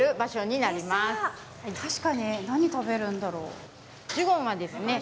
確かに何食べるんだろう。